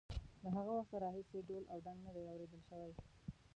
له هغه وخته راهیسې ډول او ډنګ نه دی اورېدل شوی.